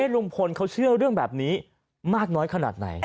ลุงพลเขาเชื่อเรื่องแบบนี้มากน้อยขนาดไหน